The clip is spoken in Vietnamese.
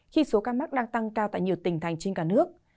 khi số ca mắc đang tăng cao tại nhiều tỉnh thành trên cả nước